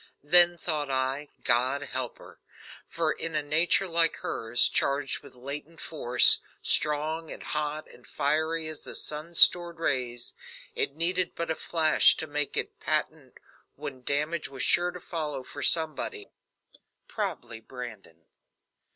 Then thought I, "God help her," for in a nature like hers, charged with latent force, strong and hot and fiery as the sun's stored rays, it needed but a flash to make it patent, when damage was sure to follow for somebody probably Brandon.